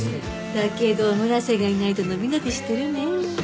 だけど村瀬がいないと伸び伸びしてるね。